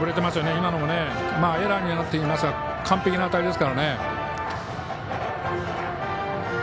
今のもエラーになっていますが完璧な当たりですからね。